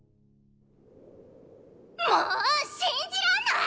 もう信じらんない！